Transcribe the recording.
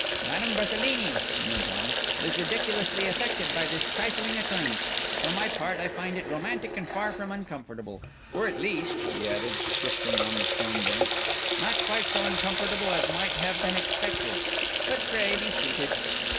"Madame Berthelini," he went on, "is ridiculously affected by this trifling occurrence. For my part, I find it romantic and far from uncomfortable; or at least," he added, shifting on the stone bench, "not quite so uncomfortable as might have been expected. But pray be seated."